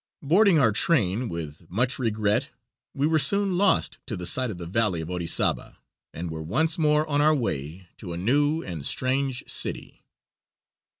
Boarding our train, with much regret, we were soon lost to sight of the Valley of Orizaba and were once more on our way to a new and strange city.